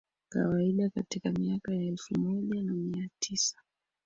Kawaida katika miaka ya Elfu moja na mia tisa